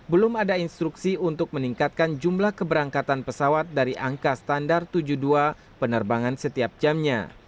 belum ada instruksi untuk meningkatkan jumlah keberangkatan pesawat dari angka standar tujuh puluh dua penerbangan setiap jamnya